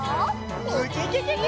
ウキキキ！